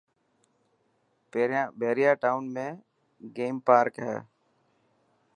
پهريان ٽاون ۾ گيم پارڪ هي.